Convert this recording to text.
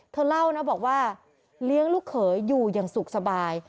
เธอเล่านะบอกว่าเลี้ยงลูกเขยอยู่อย่างสุขสบาย